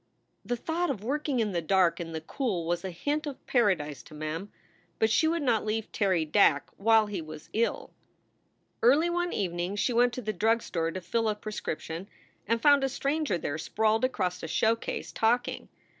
The thought of working in the dark and the cool was a hint of Paradise to Mem, but she would not leave Terry Dack while he was ill. Early one evening she went to the drug store to fill a prescription, and found a stranger there sprawled across a showcase, talking.